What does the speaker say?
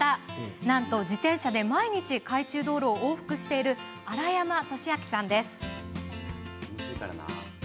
なんと自転車で毎日海中道路を往復している荒山俊昭さんです。